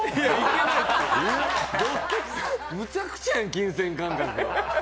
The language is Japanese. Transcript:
むちゃくちゃやん、金銭感覚。